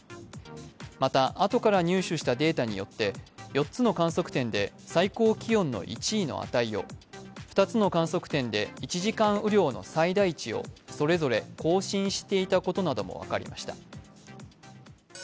また、後から入手したデータによって、４つの観測点で最高気温の１位の値を２つの観測点で１時間雨量の最大値をそれぞれ更新していたことなども分かりました。